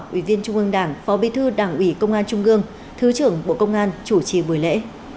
ủy viên trung ương đảng phó bí thư đảng ủy công an trung ương thứ trưởng bộ công an chủ trì buổi lễ